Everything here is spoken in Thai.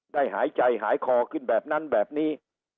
ได้หายใจหายคอกินแบบนั้นแบบนี้